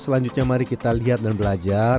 selanjutnya mari kita lihat dan belajar